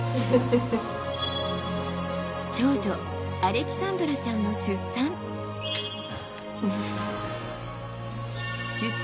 長女・アレキサンドラちゃんの出産。